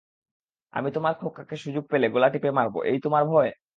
আমি তোমার খোকাকে সুযোগ পেলে গলা টিপে মারব, এই তোমার ভয়?